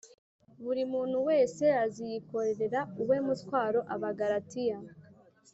buri muntu wese aziyikorerera uwe mutwaro Abagalatiya